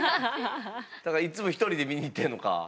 だからいつも１人で見に行ってんのか。